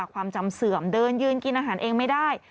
ความจำเสื่อมเดินยืนกินอาหารเองไม่ได้